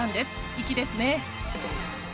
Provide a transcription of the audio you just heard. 粋ですね！